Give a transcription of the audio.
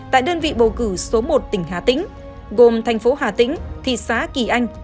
tại đơn vị bầu cử số một tỉnh hà tĩnh gồm thành phố hà tĩnh thị xã kỳ anh